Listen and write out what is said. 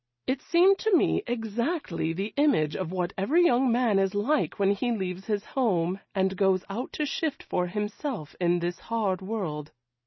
It seemed to me exactly the image of what every young man is like when he leaves his home, and goes out to shift for himself in this hard world.